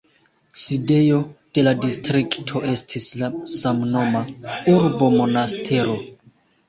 Sidejo de la distrikto estis la samnoma urbo Monastero.